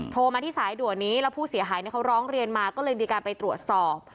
โทรมาที่สายด่วนนี้แล้วผู้เสียหายเขาร้องเรียนมาก็เลยมีการไปตรวจสอบ